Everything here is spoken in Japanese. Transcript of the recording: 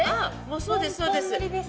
そうですそうです。